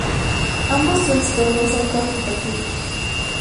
Ambos trastornos son cuantitativos.